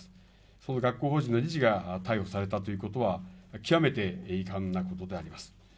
その学校法人の理事が逮捕されたということは、極めて遺憾なことであります。